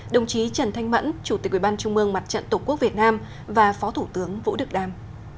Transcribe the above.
đồng chí trần thanh mẫn chủ tịch ubnd mặt trận tổ quốc việt nam và phó thủ tướng vũ đức đam